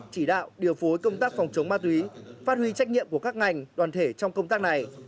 chỉ đạo điều phối công tác phòng chống ma túy phát huy trách nhiệm của các ngành đoàn thể trong công tác này